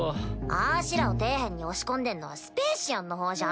あしらを底辺に押し込んでんのはスペーシアンの方じゃん。